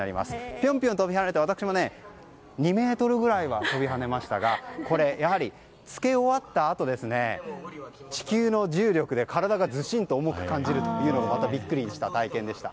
ぴょんぴょん飛び跳ねて私も２ｍくらいは飛び跳ねましたがこれ、やはり着け終わったあと地球の重力で体がずしんと感じるというのがまたビックリした体験でした。